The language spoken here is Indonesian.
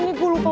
cil udah mau